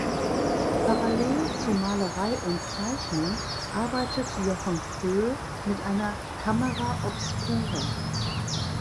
Parallel zu Malerei und Zeichnung arbeitet Jochen Proehl mit einer Camera Obscura.